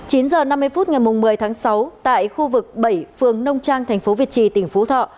chín h năm mươi phút ngày một mươi tháng sáu tại khu vực bảy phường nông trang thành phố việt trì tỉnh phú thọ